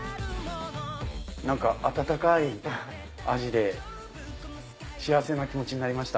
温かい味で幸せな気持ちになりました。